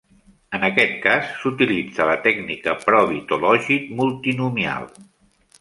En aquest cas, s'utilitza la tècnica probit o logit multinomial.